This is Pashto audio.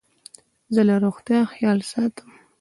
زه د روغتیا خیال ساتم.